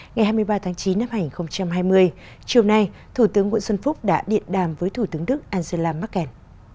ngày hai mươi ba tháng chín năm hai nghìn hai mươi chiều nay thủ tướng nguyễn xuân phúc đã điện đàm với thủ tướng đức angela merkel